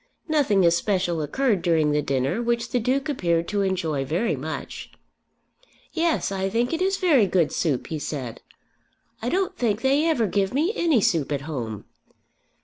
Nothing especial occurred during the dinner, which the Duke appeared to enjoy very much. "Yes; I think it is very good soup," he said. "I don't think they ever give me any soup at home."